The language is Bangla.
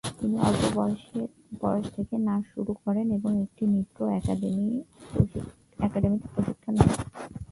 তিনি অল্প বয়স থেকেই নাচ শুরু করেন এবং একটি নৃত্য একাডেমিতে প্রশিক্ষণ নেন।